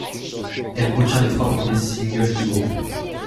Elle contient les trois premiers singles du groupe.